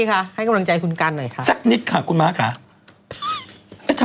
คุณกำลังจะพูดว่ายังไงคะ